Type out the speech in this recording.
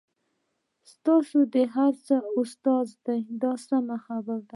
تاسو د هر څه استاد یاست دا سمه خبره ده.